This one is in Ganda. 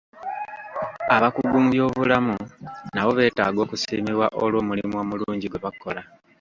Abakugu mu by'obulamu nabo beetaaga okusiimibwa olw'omulimu omulungi gwe bakola.